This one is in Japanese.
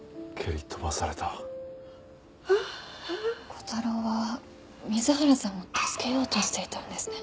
小太郎は水原さんを助けようとしていたんですね。